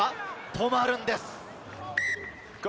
止まるんです。